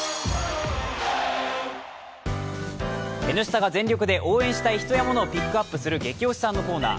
「Ｎスタ」が全力で応援したい人やものをピックアップする「ゲキ推しさん」のコーナー。